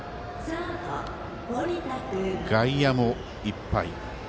外野もいっぱい。